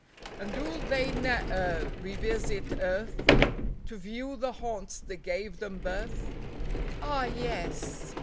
And do they ne'er revisit earth To view the haunts that gave them birth ? Ah, yes